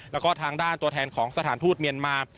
แล้วก็ทางด้านตัวแทนของสถานทูตเมียนมา